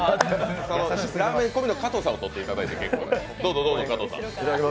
ラーメン込みの加藤さんを撮っていただいて。